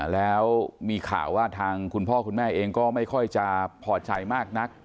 แล้วมีข่าวว่าทางคุณพ่อคุณแม่เองก็ไม่ค่อยจะพอใจมากนัก